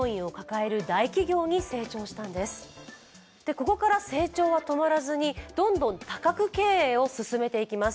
ここから成長は止まらずにどんどん多角経営を進めていきます。